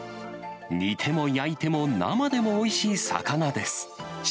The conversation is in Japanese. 煮ても焼いても生でもおいしい魚です。